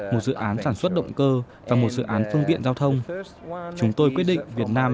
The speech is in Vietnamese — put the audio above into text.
một dự án sản xuất động cơ và một dự án phương tiện giao thông chúng tôi quyết định việt nam